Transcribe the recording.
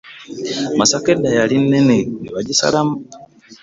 Masaka edda yali nnene ne bagisalamu.